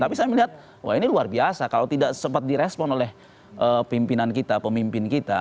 tapi saya melihat wah ini luar biasa kalau tidak sempat direspon oleh pimpinan kita pemimpin kita